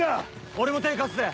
俺も手貸すぜ。